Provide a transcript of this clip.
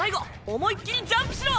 思いっ切りジャンプしろ！